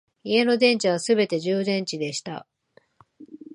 家の電池はすべて充電池にした